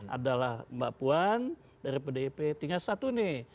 adalah mbak puan dari pdip tinggal satu nih